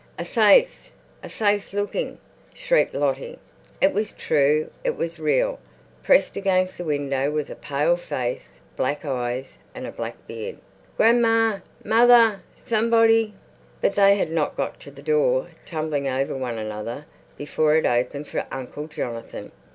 "A face—a face looking!" shrieked Lottie. It was true, it was real. Pressed against the window was a pale face, black eyes, a black beard. "Grandma! Mother! Somebody!" But they had not got to the door, tumbling over one another, before it opened for Uncle Jonathan.